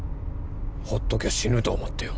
ほっときゃ死ぬと思ってよ